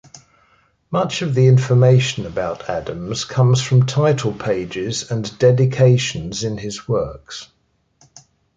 Much of the information about Adams comes from title-pages and dedications in his works.